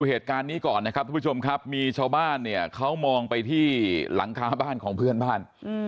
เหตุการณ์นี้ก่อนนะครับทุกผู้ชมครับมีชาวบ้านเนี่ยเขามองไปที่หลังคาบ้านของเพื่อนบ้าน